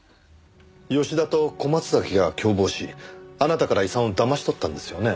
吉田と小松崎が共謀しあなたから遺産をだまし取ったんですよね？